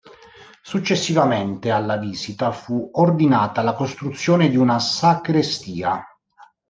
Successivamente alla visita fu ordinata la costruzione di una sagrestia.